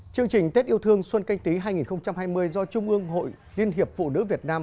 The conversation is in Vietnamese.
chương trình tết yêu thương xuân canh tí hai nghìn hai mươi do trung ương hội liên hiệp phụ nữ việt nam